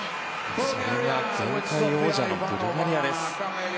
それが前回王者のブルガリアにです。